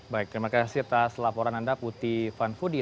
baik terima kasih atas laporan anda puti fanfudi